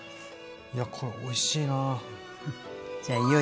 いやこれおいしいなあ。